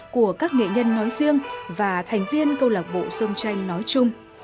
của các nghệ nhân nói riêng và thành viên câu lạc bộ sông tranh nói chung